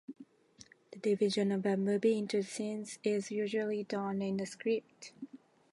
The division of a movie into scenes is usually done in the script.